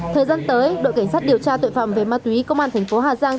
thời gian tới đội cảnh sát điều tra tội phạm về ma túy công an tp hà giang